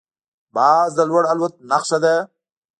باز د لوړ الوت نښه ده